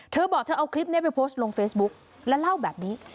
เธอบอกเธอเอาคลิปนี้ไปโพสต์ลงเฟซบุ๊กแล้วเล่าแบบนี้